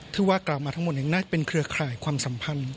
ที่ว่ากล่าวมาทั้งหมดนั้นเป็นเครือข่ายความสัมพันธ์